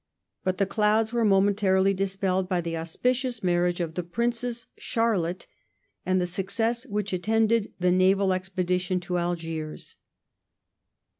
But the clouds were momentarily dispelled by the auspicious marriage of the Princess Charlotte and the success which attended the naval expedition to Algiers.